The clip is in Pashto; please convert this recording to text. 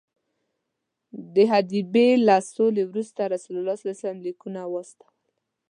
د حدیبیې له سولې وروسته رسول الله لیکونه واستول.